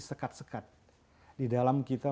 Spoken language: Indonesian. sekat sekat di dalam kita